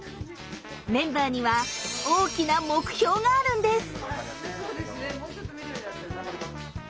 メンバーには大きな目標があるんです。